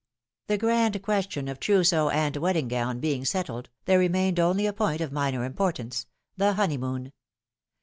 The grand question of trousseau and wedding gown being settled, there remained only a point of minor importance the honeymoon.